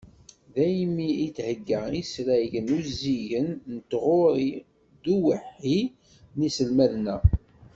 Daymi i d-thegga isragen uziggen n tɣuri d uwehhi n yiselmaden-a.